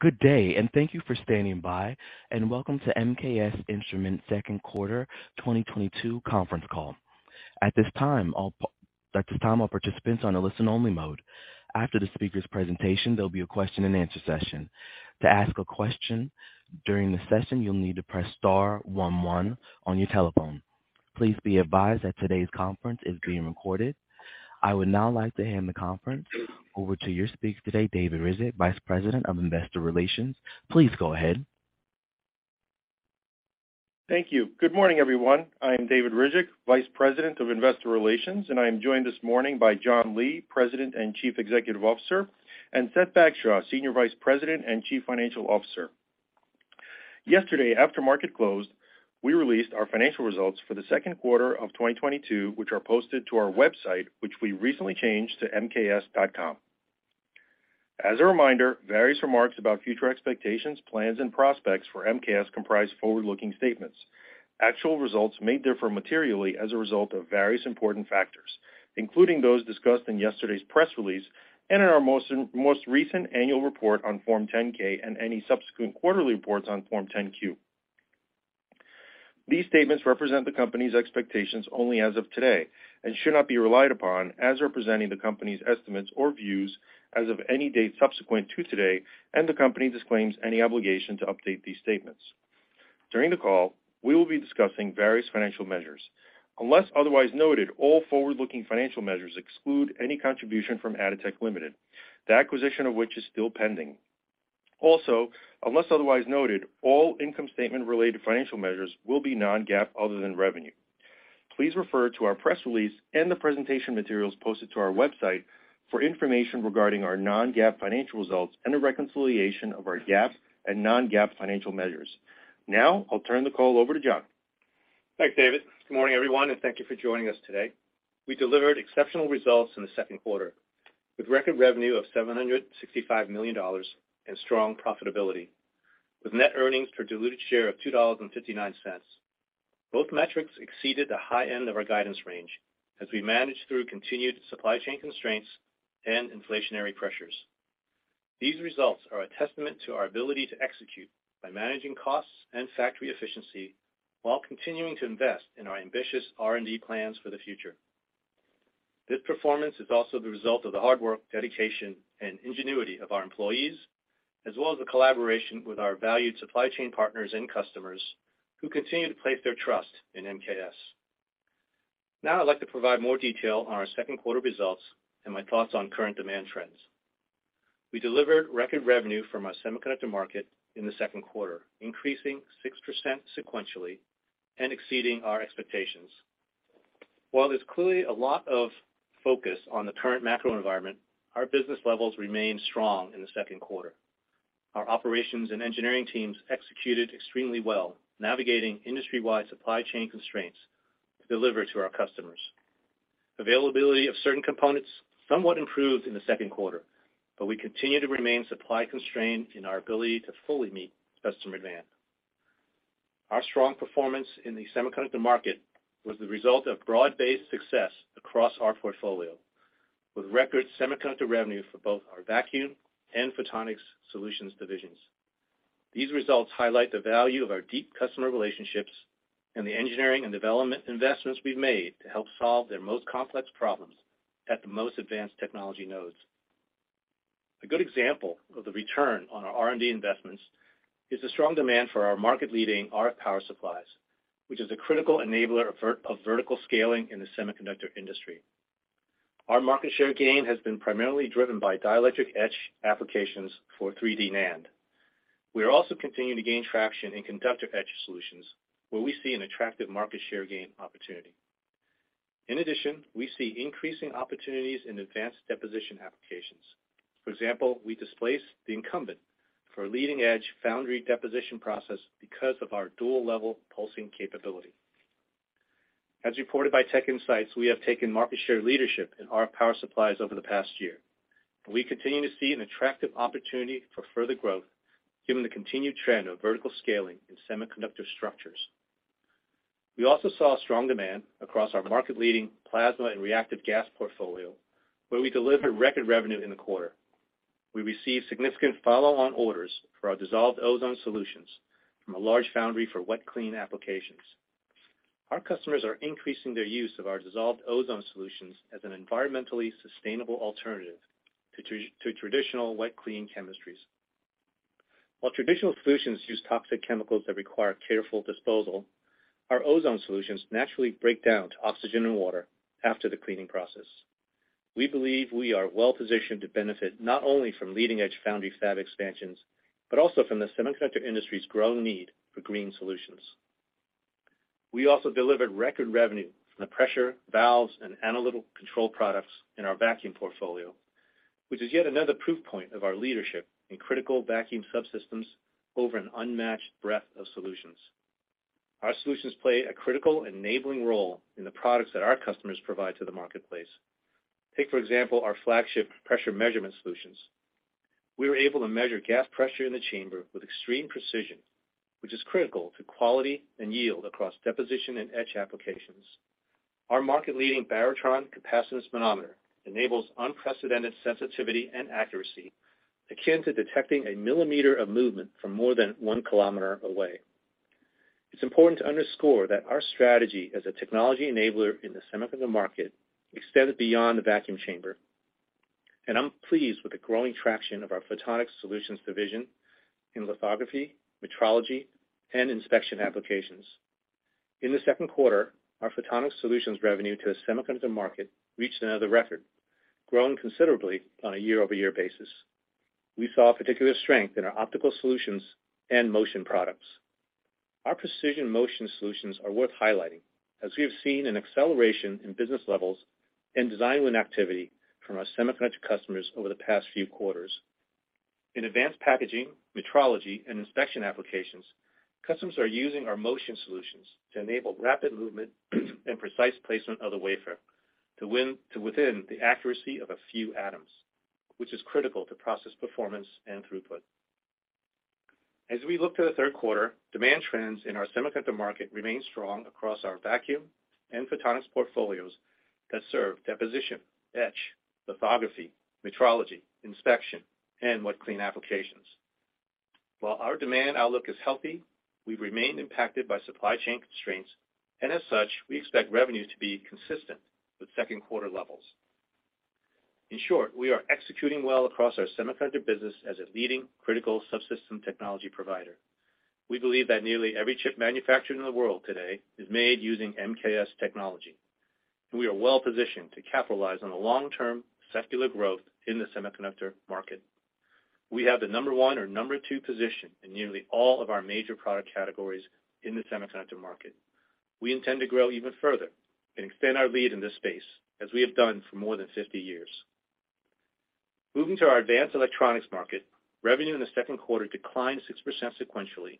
Good day, and thank you for standing by, and welcome to MKS Instruments Second Quarter 2022 Conference Call. At this time all participants on a listen-only mode. After the speaker's presentation, there'll be a question and answer session. To ask a question during the session, you'll need to press star one one on your telephone. Please be advised that today's conference is being recorded. I would now like to hand the conference over to your speaker today, David Ryzhik, Vice President of Investor Relations. Please go ahead. Thank you. Good morning, everyone. I'm David Ryzhik, Vice President of Investor Relations, and I am joined this morning by John Lee, President and Chief Executive Officer, and Seth H. Bagshaw, Senior Vice President and Chief Financial Officer. Yesterday, after market closed, we released our financial results for the second quarter of 2022, which are posted to our website, which we recently changed to mks.com. As a reminder, various remarks about future expectations, plans and prospects for MKS comprise forward-looking statements. Actual results may differ materially as a result of various important factors, including those discussed in yesterday's press release and in our most recent annual report on Form 10-K and any subsequent quarterly reports on Form 10-Q. These statements represent the company's expectations only as of today, and should not be relied upon as representing the company's estimates or views as of any date subsequent to today, and the company disclaims any obligation to update these statements. During the call, we will be discussing various financial measures. Unless otherwise noted, all forward-looking financial measures exclude any contribution from Atotech Limited, the acquisition of which is still pending. Also, unless otherwise noted, all income statement-related financial measures will be non-GAAP other than revenue. Please refer to our press release and the presentation materials posted to our website for information regarding our non-GAAP financial results and a reconciliation of our GAAP and non-GAAP financial measures. Now, I'll turn the call over to John. Thanks, David. Good morning, everyone, and thank you for joining us today. We delivered exceptional results in the second quarter with record revenue of $765 million and strong profitability with net earnings per diluted share of $2.59. Both metrics exceeded the high end of our guidance range as we managed through continued supply chain constraints and inflationary pressures. These results are a testament to our ability to execute by managing costs and factory efficiency while continuing to invest in our ambitious R&D plans for the future. This performance is also the result of the hard work, dedication, and ingenuity of our employees, as well as the collaboration with our valued supply chain partners and customers who continue to place their trust in MKS. Now I'd like to provide more detail on our second quarter results and my thoughts on current demand trends. We delivered record revenue from our semiconductor market in the second quarter, increasing 6% sequentially and exceeding our expectations. While there's clearly a lot of focus on the current macro environment, our business levels remain strong in the second quarter. Our operations and engineering teams executed extremely well, navigating industry-wide supply chain constraints to deliver to our customers. Availability of certain components somewhat improved in the second quarter, but we continue to remain supply constrained in our ability to fully meet customer demand. Our strong performance in the semiconductor market was the result of broad-based success across our portfolio, with record semiconductor revenue for both our vacuum and Photonics Solutions divisions. These results highlight the value of our deep customer relationships and the engineering and development investments we've made to help solve their most complex problems at the most advanced technology nodes. A good example of the return on our R&D investments is the strong demand for our market-leading RF power supplies, which is a critical enabler of vertical scaling in the semiconductor industry. Our market share gain has been primarily driven by dielectric etch applications for 3D NAND. We are also continuing to gain traction in conductor etch solutions, where we see an attractive market share gain opportunity. In addition, we see increasing opportunities in advanced deposition applications. For example, we displaced the incumbent for a leading-edge foundry deposition process because of our dual level pulsing capability. As reported by TechInsights, we have taken market share leadership in RF power supplies over the past year, and we continue to see an attractive opportunity for further growth given the continued trend of vertical scaling in semiconductor structures. We also saw strong demand across our market-leading plasma and reactive gas portfolio, where we delivered record revenue in the quarter. We received significant follow-on orders for our dissolved ozone solutions from a large foundry for wet clean applications. Our customers are increasing their use of our dissolved ozone solutions as an environmentally sustainable alternative to traditional wet clean chemistries. While traditional solutions use toxic chemicals that require careful disposal, our ozone solutions naturally break down to oxygen and water after the cleaning process. We believe we are well-positioned to benefit not only from leading-edge foundry fab expansions, but also from the semiconductor industry's growing need for green solutions. We also delivered record revenue from the pressure, valves, and analytical control products in our vacuum portfolio, which is yet another proof point of our leadership in critical vacuum subsystems over an unmatched breadth of solutions. Our solutions play a critical enabling role in the products that our customers provide to the marketplace. Take, for example, our flagship pressure measurement solutions. We were able to measure gas pressure in the chamber with extreme precision, which is critical to quality and yield across deposition and etch applications. Our market-leading Baratron capacitance manometer enables unprecedented sensitivity and accuracy, akin to detecting a millimeter of movement from more than one kilometer away. It's important to underscore that our strategy as a technology enabler in the semiconductor market extends beyond the vacuum chamber, and I'm pleased with the growing traction of our Photonics Solutions Division in lithography, metrology, and inspection applications. In the second quarter, our Photonics Solutions revenue to the semiconductor market reached another record, growing considerably on a year-over-year basis. We saw particular strength in our optical solutions and motion products. Our precision motion solutions are worth highlighting, as we have seen an acceleration in business levels and design win activity from our semiconductor customers over the past few quarters. In advanced packaging, metrology, and inspection applications, customers are using our motion solutions to enable rapid movement and precise placement of the wafer to within the accuracy of a few atoms, which is critical to process performance and throughput. As we look to the third quarter, demand trends in our semiconductor market remain strong across our vacuum and photonics portfolios that serve deposition, etch, lithography, metrology, inspection, and wet clean applications. While our demand outlook is healthy, we remain impacted by supply chain constraints, and as such, we expect revenues to be consistent with second quarter levels. In short, we are executing well across our semiconductor business as a leading critical subsystem technology provider. We believe that nearly every chip manufactured in the world today is made using MKS technology, and we are well-positioned to capitalize on the long-term secular growth in the semiconductor market. We have the number one or number two position in nearly all of our major product categories in the semiconductor market. We intend to grow even further and extend our lead in this space, as we have done for more than 50 years. Moving to our Advanced Electronics market, revenue in the second quarter declined 6% sequentially.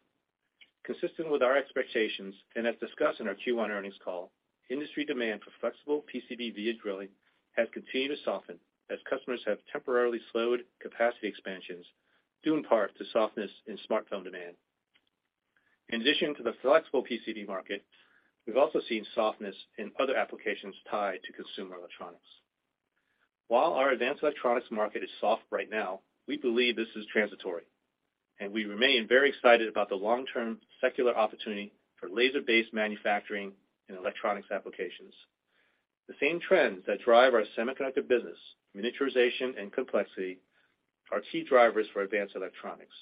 Consistent with our expectations, and as discussed in our Q1 earnings call, industry demand for flexible PCB via drilling has continued to soften as customers have temporarily slowed capacity expansions, due in part to softness in smartphone demand. In addition to the flexible PCB market, we've also seen softness in other applications tied to consumer electronics. While our Advanced Electronics market is soft right now, we believe this is transitory, and we remain very excited about the long-term secular opportunity for laser-based manufacturing in electronics applications. The same trends that drive our Semiconductor business, miniaturization and complexity, are key drivers for Advanced Electronics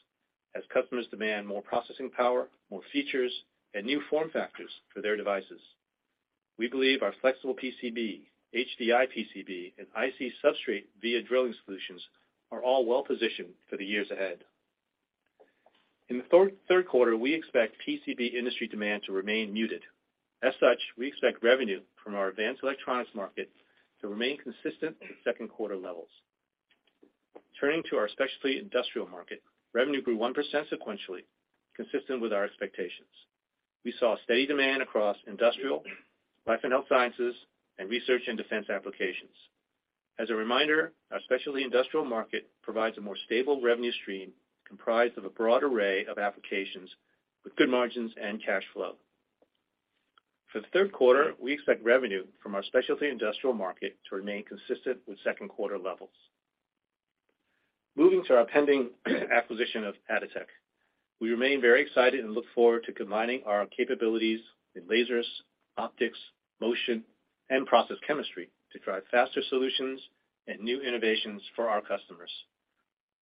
as customers demand more processing power, more features, and new form factors for their devices. We believe our flexible PCB, HDI PCB, and IC substrate via drilling solutions are all well-positioned for the years ahead. In the third quarter, we expect PCB industry demand to remain muted. As such, we expect revenue from our Advanced Electronics market to remain consistent with second quarter levels. Turning to our Specialty Industrial market, revenue grew 1% sequentially, consistent with our expectations. We saw steady demand across industrial, life and health sciences, and research and defense applications. As a reminder, our Specialty Industrial market provides a more stable revenue stream comprised of a broad array of applications with good margins and cash flow. For the third quarter, we expect revenue from our Specialty Industrial market to remain consistent with second quarter levels. Moving to our pending acquisition of Atotech. We remain very excited and look forward to combining our capabilities in lasers, optics, motion, and process chemistry to drive faster solutions and new innovations for our customers.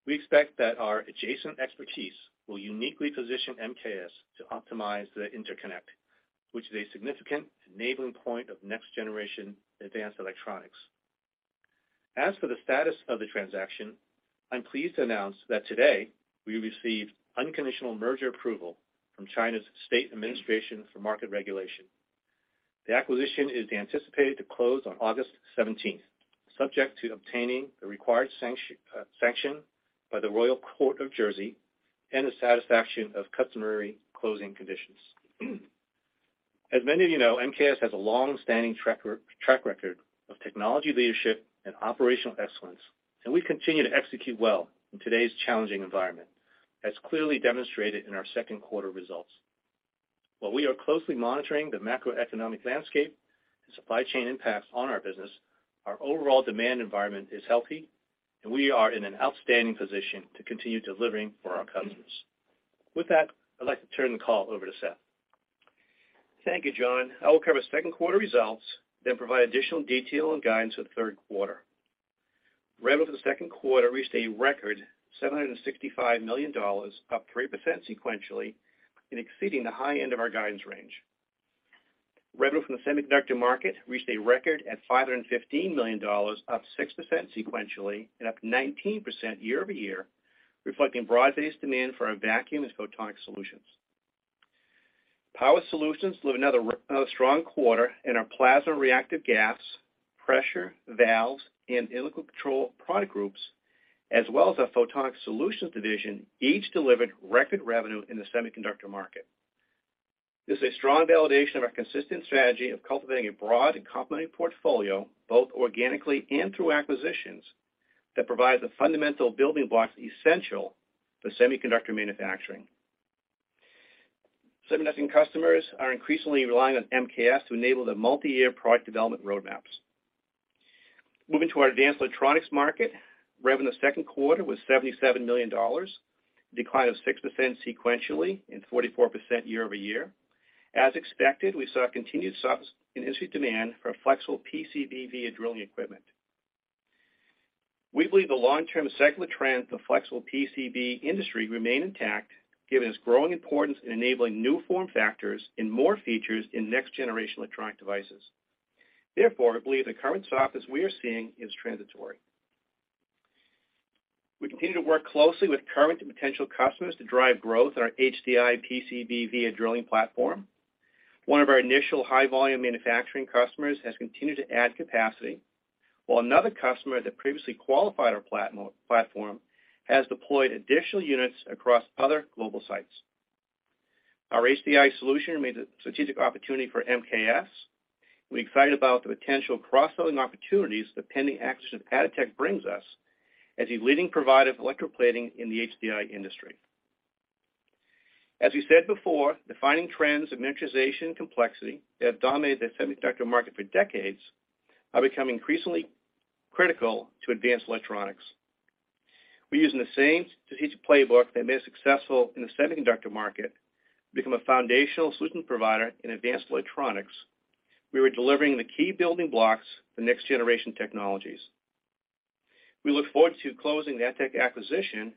We expect that our adjacent expertise will uniquely position MKS to optimize the interconnect, which is a significant enabling point of next-generation advanced electronics. As for the status of the transaction, I'm pleased to announce that today, we received unconditional merger approval from China's State Administration for Market Regulation. The acquisition is anticipated to close on August seventeenth, subject to obtaining the required sanction by the Royal Court of Jersey and the satisfaction of customary closing conditions. MKS has a long-standing track record of technology leadership and operational excellence, and we continue to execute well in today's challenging environment, as clearly demonstrated in our second quarter results. While we are closely monitoring the macroeconomic landscape and supply chain impacts on our business, our overall demand environment is healthy, and we are in an outstanding position to continue delivering for our customers. With that, I'd like to turn the call over to Seth. Thank you, John. I will cover second quarter results, then provide additional detail and guidance for the third quarter. Revenue for the second quarter reached a record $765 million, up 3% sequentially and exceeding the high end of our guidance range. Revenue from the semiconductor market reached a record $515 million, up 6% sequentially and up 19% year-over-year, reflecting broad-based demand for our vacuum and photonics solutions. Power solutions delivered another strong quarter, and our plasma reactive gases, pressure, valves, and liquid control product groups, as well as our Photonics Solutions Division, each delivered record revenue in the semiconductor market. This is a strong validation of our consistent strategy of cultivating a broad and complementary portfolio, both organically and through acquisitions, that provides the fundamental building blocks essential for semiconductor manufacturing. Semiconductor customers are increasingly relying on MKS to enable the multi-year product development roadmaps. Moving to our advanced electronics market, revenue in the second quarter was $77 million, a decline of 6% sequentially and 44% year-over-year. As expected, we saw a continued softness in industry demand for flexible PCB via drilling equipment. We believe the long-term secular trend of the flexible PCB industry remain intact given its growing importance in enabling new form factors and more features in next-generation electronic devices. Therefore, we believe the current softness we are seeing is transitory. We continue to work closely with current and potential customers to drive growth in our HDI PCB via drilling platform. One of our initial high-volume manufacturing customers has continued to add capacity, while another customer that previously qualified our platform has deployed additional units across other global sites. Our HDI solution remains a strategic opportunity for MKS, and we're excited about the potential cross-selling opportunities the pending acquisition of Atotech brings us as a leading provider of electroplating in the HDI industry. As we said before, defining trends of miniaturization and complexity that have dominated the semiconductor market for decades are becoming increasingly critical to advanced electronics. We're using the same strategic playbook that made us successful in the semiconductor market to become a foundational solution provider in advanced electronics. We are delivering the key building blocks for next-generation technologies. We look forward to closing the Atotech acquisition,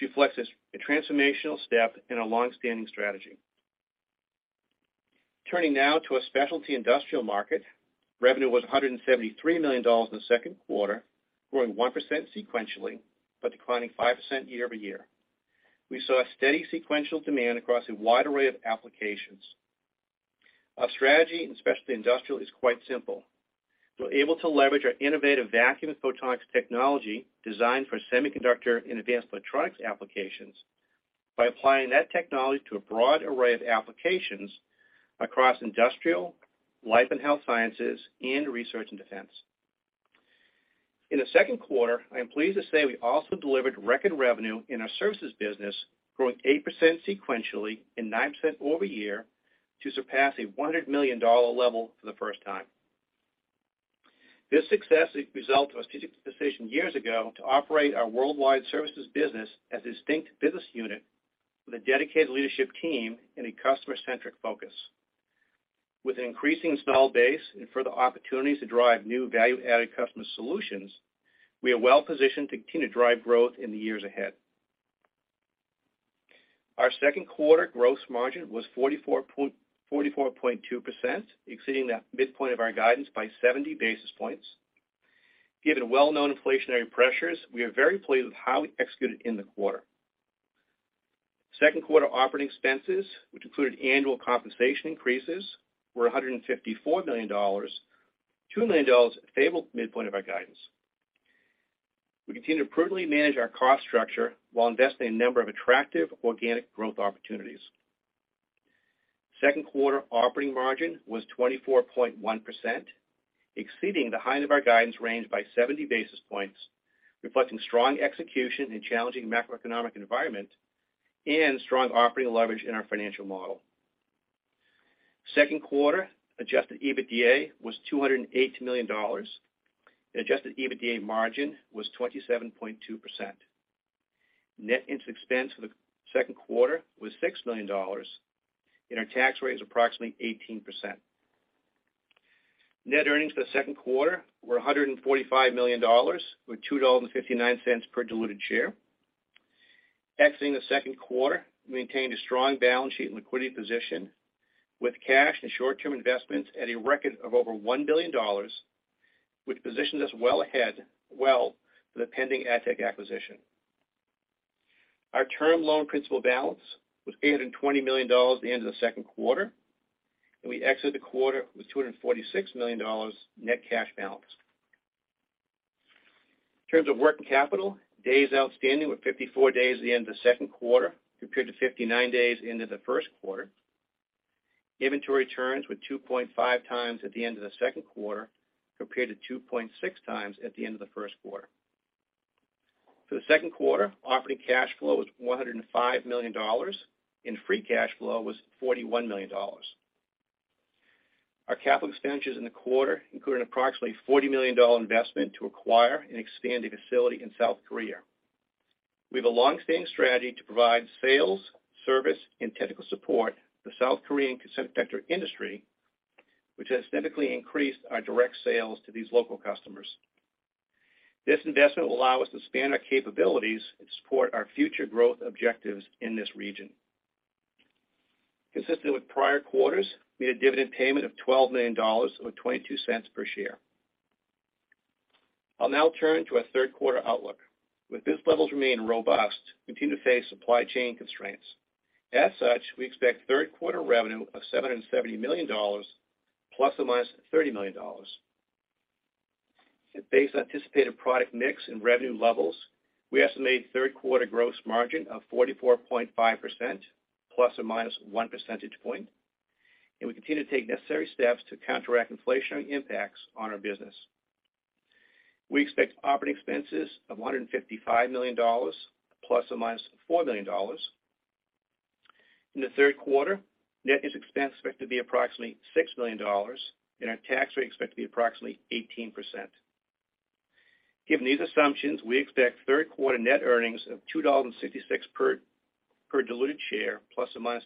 which reflects a transformational step in our long-standing strategy. Turning now to our specialty industrial market. Revenue was $173 million in the second quarter, growing 1% sequentially, but declining 5% year-over-year. We saw a steady sequential demand across a wide array of applications. Our strategy in specialty industrial is quite simple. We're able to leverage our innovative vacuum and photonics technology designed for semiconductor and advanced electronics applications by applying that technology to a broad array of applications across industrial, life and health sciences, and research and defense. In the second quarter, I am pleased to say we also delivered record revenue in our services business, growing 8% sequentially and 9% year-over-year to surpass a $100 million level for the first time. This success is a result of a strategic decision years ago to operate our worldwide services business as a distinct business unit with a dedicated leadership team and a customer-centric focus. With an increasing install base and further opportunities to drive new value-added customer solutions, we are well positioned to continue to drive growth in the years ahead. Our second quarter gross margin was 44.2%, exceeding the midpoint of our guidance by 70 basis points. Given well-known inflationary pressures, we are very pleased with how we executed in the quarter. Second quarter operating expenses, which included annual compensation increases, were $154 million, $2 million above the midpoint of our guidance. We continue to prudently manage our cost structure while investing in a number of attractive organic growth opportunities. Second quarter operating margin was 24.1%, exceeding the high end of our guidance range by 70 basis points, reflecting strong execution in a challenging macroeconomic environment and strong operating leverage in our financial model. Second quarter adjusted EBITDA was $280 million, and adjusted EBITDA margin was 27.2%. Net interest expense for the second quarter was $6 million, and our tax rate is approximately 18%. Net earnings for the second quarter were $145 million, or $2.59 per diluted share. Exiting the second quarter, we maintained a strong balance sheet and liquidity position with cash and short-term investments at a record of over $1 billion, which positions us well ahead for the pending Atotech acquisition. Our term loan principal balance was $820 million at the end of the second quarter, and we exited the quarter with $246 million net cash balance. In terms of working capital, days outstanding were 54 days at the end of the second quarter, compared to 59 days in the first quarter. Inventory turns were 2.5x at the end of the second quarter, compared to 2.6x at the end of the first quarter. For the second quarter, operating cash flow was $105 million, and free cash flow was $41 million. Our capital expenditures in the quarter included an approximately $40 million investment to acquire and expand a facility in South Korea. We have a long-standing strategy to provide sales, service, and technical support to the South Korean semiconductor industry, which has significantly increased our direct sales to these local customers. This investment will allow us to expand our capabilities and support our future growth objectives in this region. Consistent with prior quarters, we had a dividend payment of $12 million, or $0.22 per share. I'll now turn to our third quarter outlook. With business levels remaining robust, we continue to face supply chain constraints. As such, we expect third quarter revenue of $770 million ± $30 million. Based on anticipated product mix and revenue levels, we estimate third quarter gross margin of 44.5% ± 1 percentage point, and we continue to take necessary steps to counteract inflationary impacts on our business. We expect operating expenses of $155 million, ± $4 million. In the third quarter, net interest expense is expected to be approximately $6 million, and our tax rate is expected to be approximately 18%. Given these assumptions, we expect third quarter net earnings of $2.66 per diluted share, ± $0.25.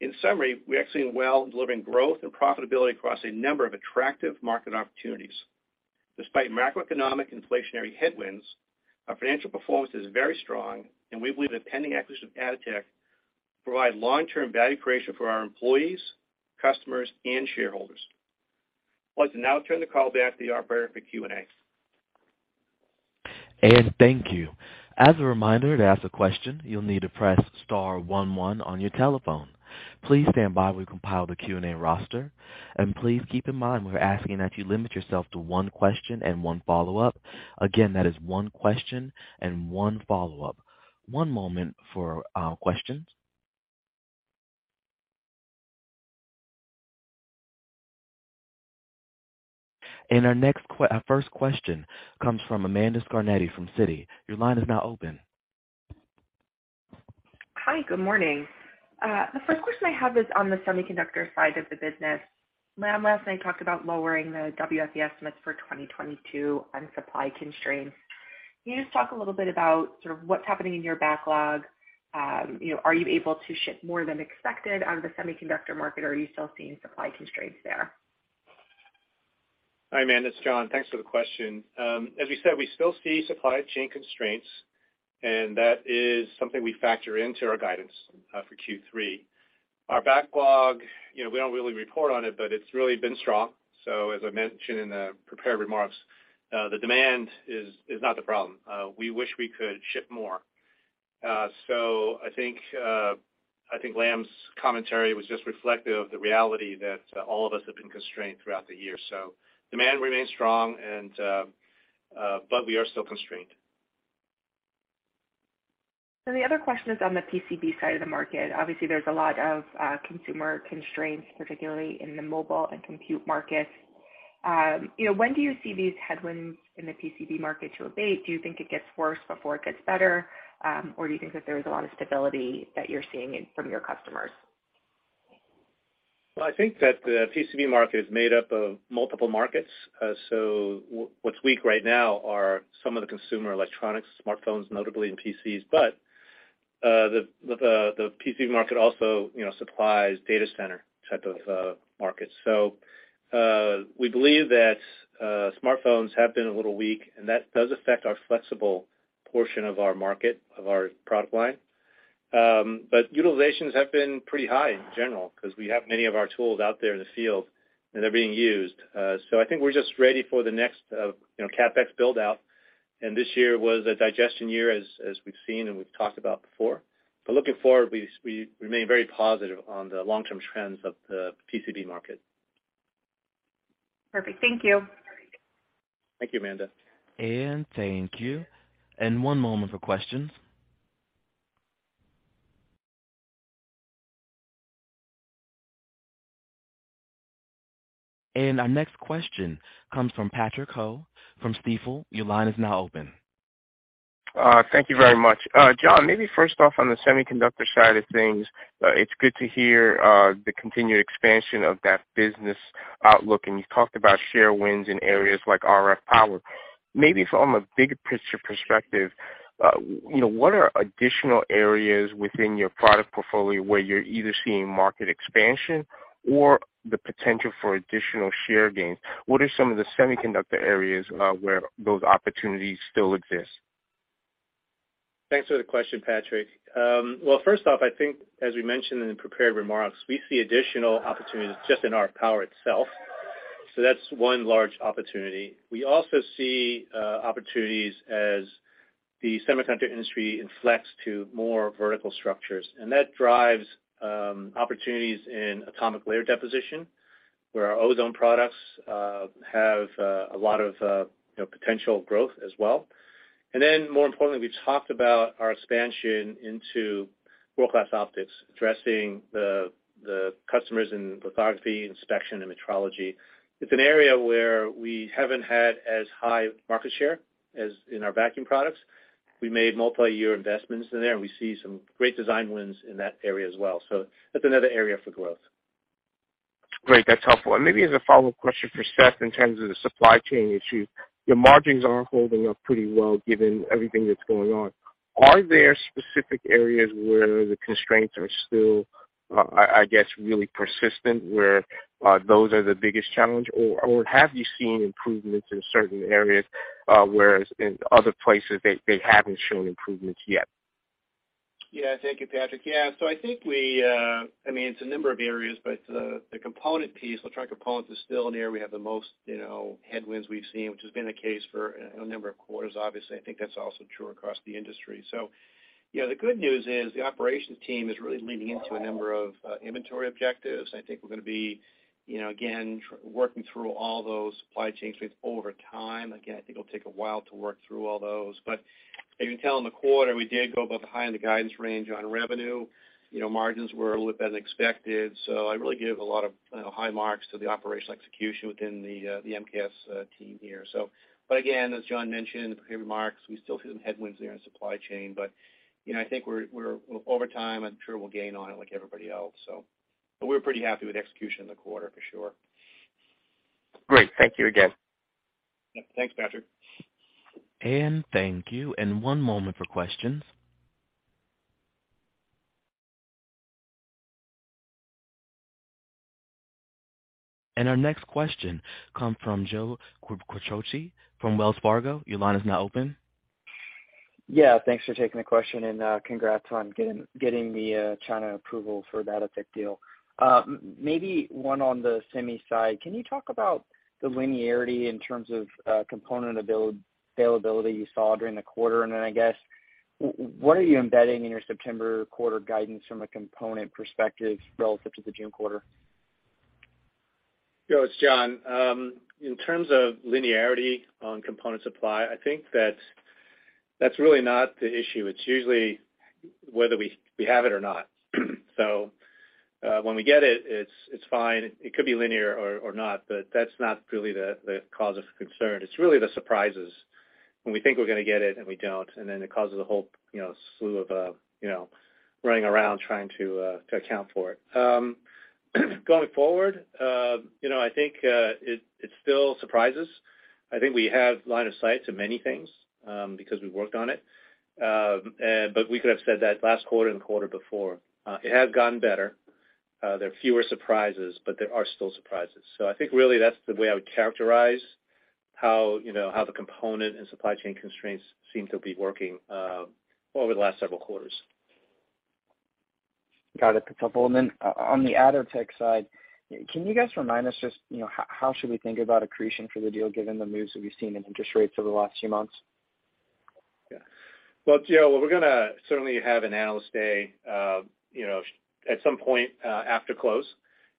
In summary, we're executing well and delivering growth and profitability across a number of attractive market opportunities. Despite macroeconomic inflationary headwinds, our financial performance is very strong, and we believe the pending acquisition of Atotech will provide long-term value creation for our employees, customers, and shareholders. I'd like to now turn the call back to the operator for Q&A. Thank you. As a reminder, to ask a question, you'll need to press star one one on your telephone. Please stand by. We've compiled a Q&A roster. Please keep in mind, we're asking that you limit yourself to one question and one follow-up. Again, that is one question and one follow-up. One moment for questions. Our first question comes from Amanda Scarnati from Citi. Your line is now open. Hi, good morning. The first question I have is on the semiconductor side of the business. Lam last night talked about lowering the WFE estimates for 2022 on supply constraints. Can you just talk a little bit about sort of what's happening in your backlog? Are you able to ship more than expected out of the semiconductor market, or are you still seeing supply constraints there? Hi, Amanda Scarnati. It's John. Thanks for the question. As we said, we still see supply chain constraints, and that is something we factor into our guidance for Q3. Our backlog, we don't really report on it, but it's really been strong. As I mentioned in the prepared remarks, the demand is not the problem. We wish we could ship more. I think Lam Research's commentary was just reflective of the reality that all of us have been constrained throughout the year. Demand remains strong, and but we are still constrained. The other question is on the PCB side of the market. Obviously, there's a lot of consumer constraints, particularly in the mobile and compute markets. When do you see these headwinds in the PCB market to abate? Do you think it gets worse before it gets better, or do you think that there's a lot of stability that you're seeing in from your customers? Well, I think that the PCB market is made up of multiple markets. What's weak right now are some of the consumer electronics, smartphones, notably, and PCs. The PCB market also, supplies data center type of markets. We believe that smartphones have been a little weak, and that does affect our flexible portion of our market, of our product line. Utilizations have been pretty high in general, because we have many of our tools out there in the field, and they're being used. I think we're just ready for the next CapEx build-out, and this year was a digestion year, as we've seen and we've talked about before. Looking forward, we remain very positive on the long-term trends of the PCB market. Perfect. Thank you. Thank you, Amanda. Thank you. One moment for questions. Our next question comes from Patrick Ho from Stifel. Your line is now open. Thank you very much. John, maybe first off on the semiconductor side of things, it's good to hear the continued expansion of that business outlook, and you talked about share wins in areas like RF power. Maybe from a bigger picture perspective what are additional areas within your product portfolio where you're either seeing market expansion or the potential for additional share gains? What are some of the semiconductor areas where those opportunities still exist? Thanks for the question, Patrick. Well, first off, I think as we mentioned in the prepared remarks, we see additional opportunities just in RF power itself. That's one large opportunity. We also see opportunities as the semiconductor industry inflects to more vertical structures, and that drives opportunities in atomic layer deposition, where our ozone products have a lot of potential growth as well. More importantly, we talked about our expansion into world-class optics, addressing the customers in lithography, inspection, and metrology. It's an area where we haven't had as high market share as in our vacuum products. We made multiyear investments in there. We see some great design wins in that area as well. That's another area for growth. Great. That's helpful. Maybe as a follow-up question for Seth in terms of the supply chain issue, your margins are holding up pretty well given everything that's going on. Are there specific areas where the constraints are really persistent, where those are the biggest challenge, or have you seen improvements in certain areas, whereas in other places they haven't shown improvements yet? Yeah. Thank you, Patrick. Yeah. I think we, I mean, it's a number of areas, but, the component piece, electronic components is still an area we have the most headwinds we've seen, which has been the case for a number of quarters, obviously. I think that's also true across the industry. Yeah, the good news is the operations team is really leaning into a number of, inventory objectives. I think we're gonna be again, working through all those supply chain things over time. Again, I think it'll take a while to work through all those, but as you can tell in the quarter, we did go above the high end of guidance range on revenue. Margins were a little bit unexpected, so I really give a lot of high marks to the operational execution within the MKS team here. Again, as John mentioned in the prepared remarks, we still see some headwinds there in supply chain. I think we're over time, I'm sure we'll gain on it like everybody else. We're pretty happy with execution in the quarter for sure. Great. Thank you again. Yeah, thanks, Patrick. Thank you. One moment for questions. Our next question comes from Joe Quatrochi from Wells Fargo. Your line is now open. Yeah, thanks for taking the question, and congrats on getting the China approval for the Atotech deal. Maybe one on the semi side. Can you talk about the linearity in terms of component availability you saw during the quarter? I guess what are you embedding in your September quarter guidance from a component perspective relative to the June quarter? Yeah. It's John. In terms of linearity on component supply, I think that's really not the issue. It's usually whether we have it or not. When we get it's fine. It could be linear or not, but that's not really the cause of concern. It's really the surprises when we think we're gonna get it and we don't, and then it causes a whole slew of running around trying to account for it. Going forward I think it still surprises. I think we have line of sight to many things, because we've worked on it. But we could have said that last quarter and the quarter before. It has gotten better. There are fewer surprises, but there are still surprises. I think really that's the way I would characterize how the component and supply chain constraints seem to be working over the last several quarters. Got it. A couple more then. On the Atotech side, can you guys remind us just how should we think about accretion for the deal given the moves that we've seen in interest rates over the last few months? Yeah. Well, Joe, we're gonna certainly have an analyst day at some point after close.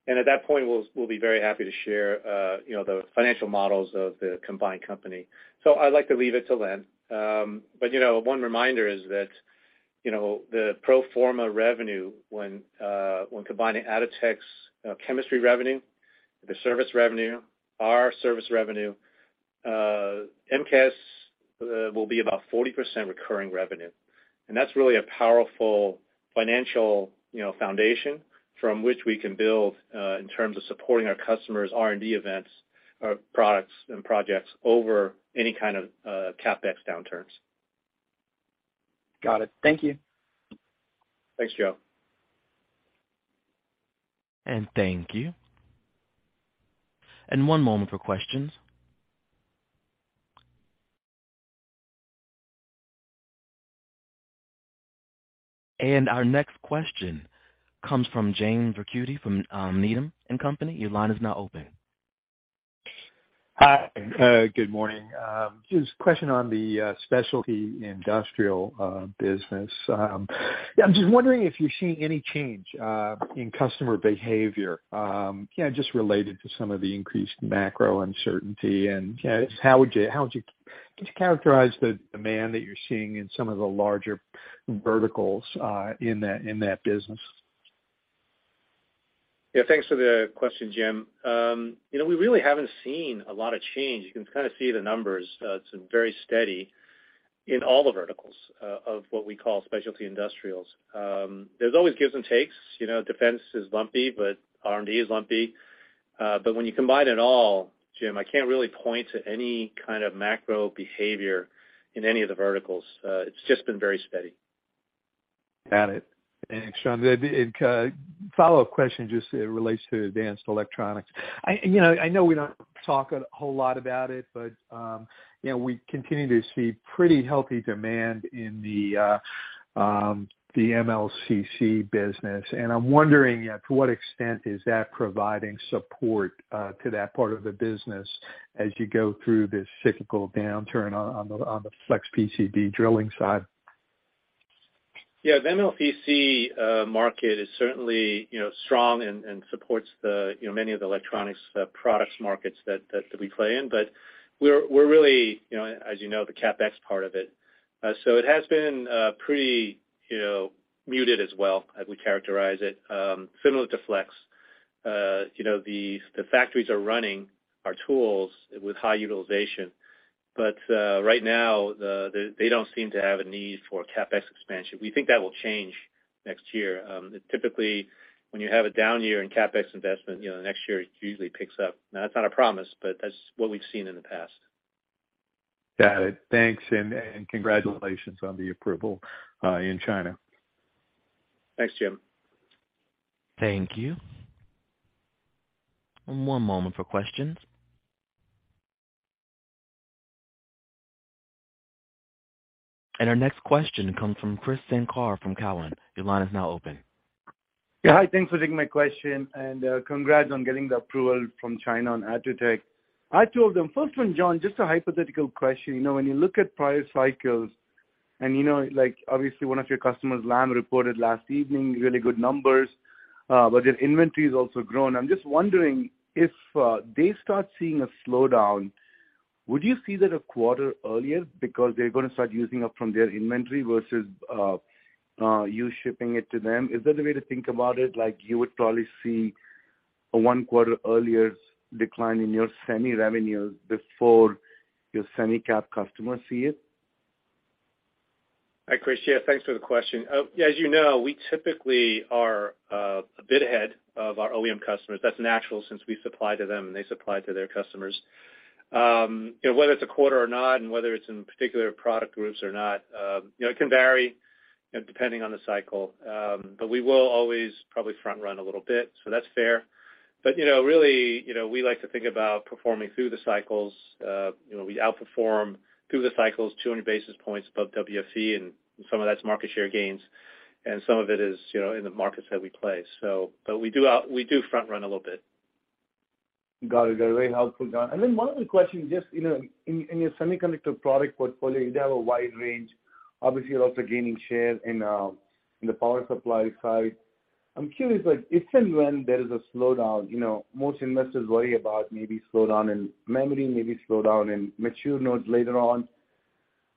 At that point, we'll be very happy to share the financial models of the combined company. I'd like to leave it to Len. One reminder is that the pro forma revenue when combining Atotech's chemistry revenue, the service revenue, our service revenue, MKS will be about 40% recurring revenue. That's really a powerful financial foundation from which we can build in terms of supporting our customers' R&D events or products and projects over any kind of CapEx downturns. Got it. Thank you. Thanks, Joe. Thank you. One moment for questions. Our next question comes from James Ricchiuti from Needham & Company. Your line is now open. Hi. Good morning. Just a question on the specialty industrial business. Yeah, I'm just wondering if you're seeing any change in customer behavior just related to some of the increased macro uncertainty. Could you characterize the demand that you're seeing in some of the larger verticals in that business? Yeah, thanks for the question, Jim. We really haven't seen a lot of change. You can kind of see the numbers. It's been very steady in all the verticals of what we call specialty industrials. There's always give and take, defense is lumpy, but R&D is lumpy. But when you combine it all, Jim, I can't really point to any kind of macro behavior in any of the verticals. It's just been very steady. Got it. Thanks, John. The follow-up question just relates to advanced electronics. I know we don't talk a whole lot about it, but we continue to see pretty healthy demand in the MLCC business, and I'm wondering, to what extent is that providing support to that part of the business as you go through this cyclical downturn on the flex PCB drilling side? Yeah. The MLCC market is certainly, strong and supports the many of the electronics products markets that we play in. We're really as the CapEx part of it. It has been pretty, muted as well, as we characterize it, similar to flex. the factories are running our tools with high utilization, but right now, they don't seem to have a need for CapEx expansion. We think that will change next year. Typically, when you have a down year in CapEx investment next year it usually picks up. Now, that's not a promise, but that's what we've seen in the past. Got it. Thanks, and congratulations on the approval in China. Thanks, Jim. Thank you. One moment for questions. Our next question comes from Krish Sankar from Cowen. Your line is now open. Yeah. Hi, thanks for taking my question and, congrats on getting the approval from China on Atotech. First one, John, just a hypothetical question. When you look at prior cycles and like obviously, one of your customers, Lam, reported last evening really good numbers, but their inventory has also grown. I'm just wondering if they start seeing a slowdown, would you see that a quarter earlier because they're gonna start using up from their inventory versus you shipping it to them? Is that a way to think about it? Like, you would probably see a one quarter earlier decline in your semi revenues before your semi cap customers see it. Hi, Krish. Yeah, thanks for the question. We typically are a bit ahead of our OEM customers. That's natural since we supply to them, and they supply to their customers. whether it's a quarter or not, and whether it's in particular product groups or not, it can vary depending on the cycle. We will always probably front run a little bit, so that's fair, we like to think about performing through the cycles. We outperform through the cycles 200 basis points above WFE, and some of that's market share gains, and some of it is in the markets that we play. We do front run a little bit. Got it. They're very helpful, John. Then one other question, just in your semiconductor product portfolio, you have a wide range. Obviously, you're also gaining share in the power supply side. I'm curious, like if and when there is a slowdown most investors worry about maybe slowdown in memory, maybe slowdown in mature nodes later on.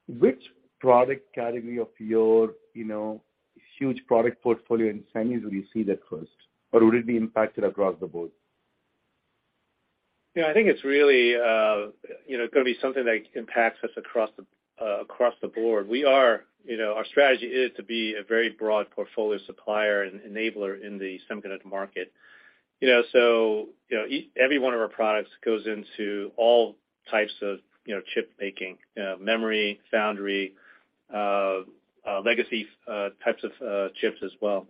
Which product category of your huge product portfolio in semis will you see that first, or would it be impacted across the board? Yeah, I think it's really gonna be something that impacts us across the board. We are, our strategy is to be a very broad portfolio supplier and enabler in the semiconductor market. So every one of our products goes into all types of chip making, memory, foundry, legacy, types of chips as well.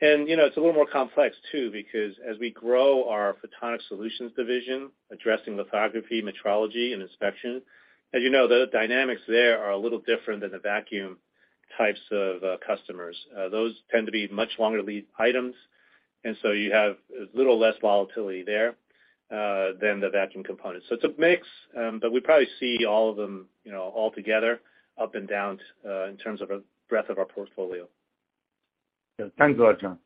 It's a little more complex too because as we grow our Photonics Solutions Division, addressing lithography, metrology, and inspection, as you know, the dynamics there are a little different than the vacuum types of customers. Those tend to be much longer lead items, and so you have a little less volatility there than the vacuum components. It's a mix, but we probably see all of them all together up and down, in terms of our breadth of our portfolio. Yeah. Thanks a lot, John.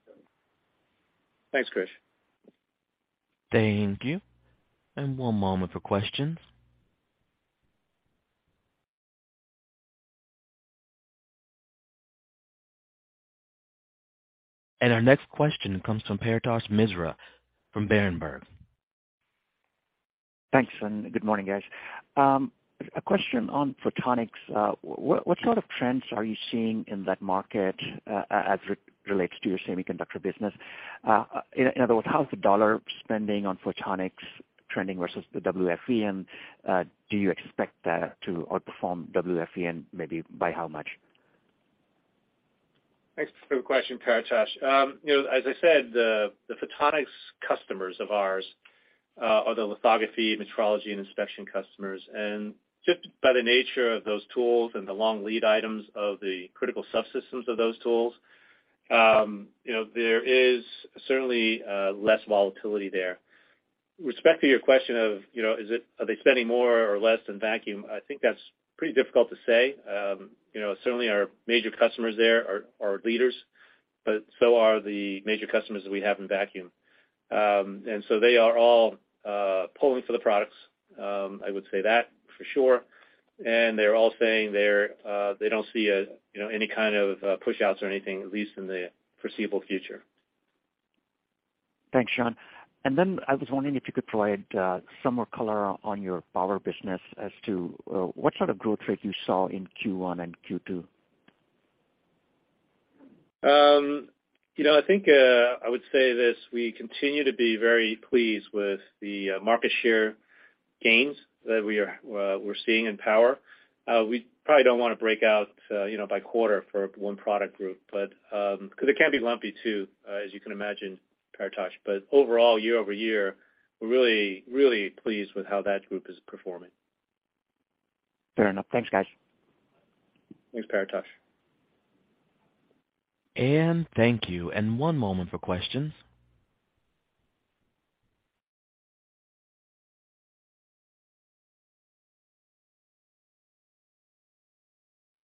Thanks, Krish. Thank you. One moment for questions. Our next question comes from Paretosh Misra from Berenberg. Thanks, and good morning, guys. A question on photonics. What sort of trends are you seeing in that market, as it relates to your semiconductor business? In other words, how's the dollar spending on photonics trending versus the WFE? Do you expect that to outperform WFE and maybe by how much? Thanks for the question, Paretosh, as I said, the Photonics customers of ours are the lithography, metrology, and inspection customers. Just by the nature of those tools and the long lead items of the critical subsystems of those tools there is certainly less volatility there. With respect to your question of are they spending more or less than vacuum? I think that's pretty difficult to say, certainly our major customers there are leaders, but so are the major customers that we have in vacuum. They are all pulling for the products, I would say that for sure. They're all saying they don't see any kind of pushouts or anything, at least in the foreseeable future. Thanks, John. I was wondering if you could provide some more color on your power business as to what sort of growth rate you saw in Q1 and Q2. I think I would say this. We continue to be very pleased with the market share gains that we're seeing in power. We probably don't wanna break out by quarter for one product group, but 'cause it can be lumpy too, as you can imagine, Paretosh. Overall, year-over-year, we're really, really pleased with how that group is performing. Fair enough. Thanks, guys. Thanks, Paretosh. Thank you. One moment for questions.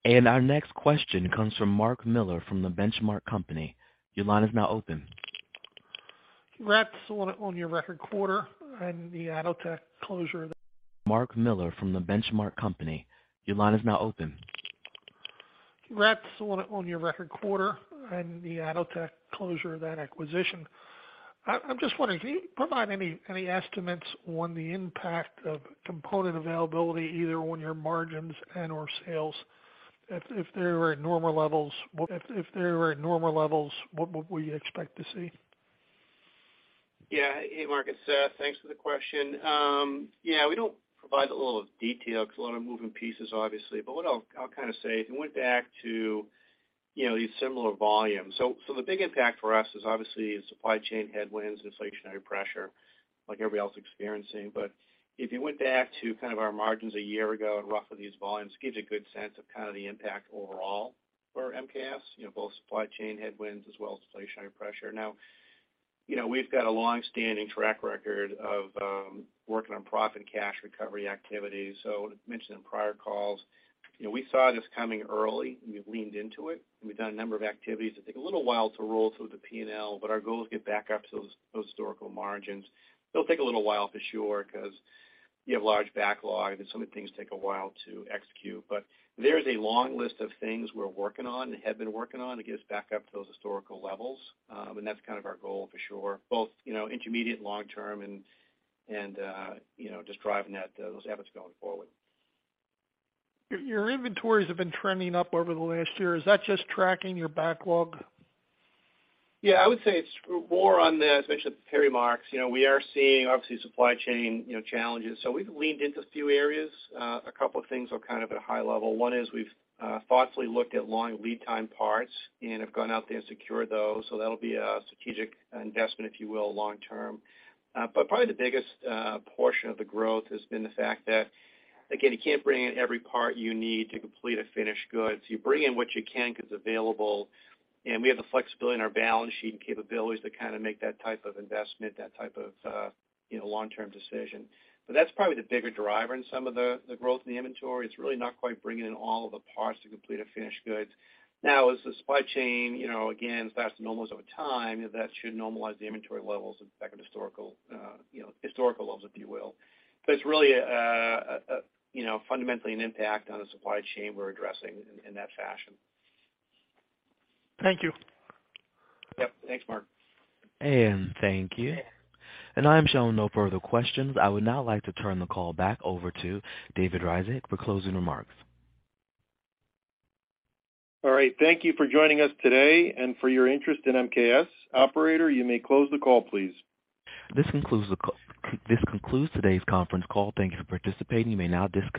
Our next question comes from Mark Miller from The Benchmark Company. Your line is now open. Congrats on your record quarter and the Atotech closure. Mark Miller from The Benchmark Company, your line is now open. Congrats on your record quarter and the Atotech closure, that acquisition. I'm just wondering, can you provide any estimates on the impact of component availability either on your margins and/or sales? If they were at normal levels, what would you expect to see? Yeah. Hey, Mark, it's Seth. Thanks for the question. Yeah, we don't provide a lot of detail 'cause a lot of moving pieces, obviously. But what I'll kind of say, if we went back to these similar volumes. The big impact for us is obviously supply chain headwinds, inflationary pressure. Like everybody else experiencing. If you went back to kind of our margins a year ago at roughly these volumes, it gives you a good sense of kind of the impact overall for MKS, both supply chain headwinds as well as inflationary pressure. Now, we've got a long-standing track record of working on profit and cash recovery activities. Mentioned in prior calls we saw this coming early and we've leaned into it, and we've done a number of activities that take a little while to roll through the P&L, but our goal is to get back up to those historical margins. It'll take a little while for sure because you have large backlog and some of the things take a while to execute. There is a long list of things we're working on and have been working on to get us back up to those historical levels. That's kind of our goal for sure, both intermediate and long term and just driving that, those efforts going forward. Your inventories have been trending up over the last year. Is that just tracking your backlog? Yeah, I would say it's more on the, as mentioned in our remarks, we are seeing obviously supply chain challenges, so we've leaned into a few areas. A couple of things are kind of at a high level. One is we've thoughtfully looked at long lead time parts and have gone out there and secured those. So that'll be a strategic investment, if you will, long term. Probably the biggest portion of the growth has been the fact that, again, you can't bring in every part you need to complete a finished good. So you bring in what you can because it's available, and we have the flexibility in our balance sheet and capabilities to kind of make that type of investment, that type of long-term decision. That's probably the bigger driver in some of the growth in the inventory. It's really not quite bringing in all of the parts to complete a finished good. Now, as the supply chain again, starts to normalize over time, that should normalize the inventory levels back in historical, if you will. It's really fundamentally an impact on the supply chain we're addressing in that fashion. Thank you. Yep. Thanks Mark. Thank you. I'm showing no further questions. I would now like to turn the call back over to David Ryzhik for closing remarks. All right. Thank you for joining us today and for your interest in MKS. Operator, you may close the call, please. This concludes today's conference call. Thank you for participating. You may now disconnect.